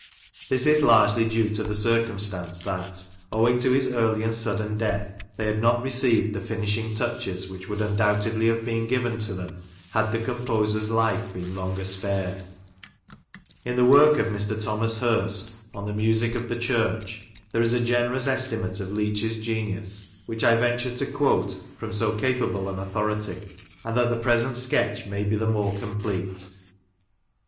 This is largely due to the circumstance that, owing to his early and sudden death, they had not received the finishing touches which would undoubtedly have been given to them had the composer's life been longer spared. In the work of Mr. Thomas Hirst on " The Music of the Church," there is a generous estimate of Leach's genius, which I venture to quote from so capable an authority, and that the present sketch may be the more complete.